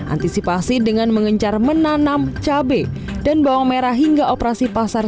antisipasi dengan mengencar menanam cabai dan bawang merah hingga operasi pasar